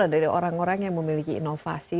dari orang orang yang memiliki inovasi